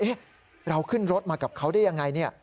เอ๊ะเราขึ้นรถมากับเขาได้ยังไง